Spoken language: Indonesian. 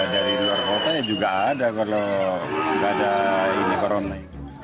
dari luar kota ya juga ada kalau nggak ada ini corona